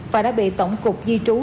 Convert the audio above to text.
và đã bị tổng cục di trú